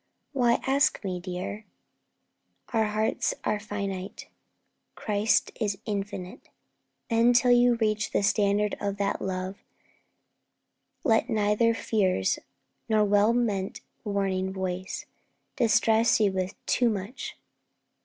'Why ask me, dear? Our hearts are finite, Christ is infinite.' 'Then, till you reach the standard of that love, Let neither fears nor well meant warning voice Distress you with "too much."